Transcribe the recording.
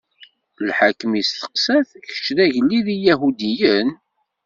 Lḥakem isteqsa-t: Kečč, d agellid n Iyahudiyen?